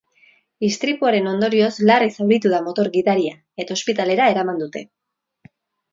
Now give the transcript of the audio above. Istripuaren ondorioz larri zauritu da motor-gidaria, eta ospitalera eraman dute.